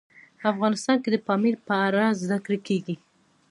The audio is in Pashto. افغانستان کې د پامیر په اړه زده کړه کېږي.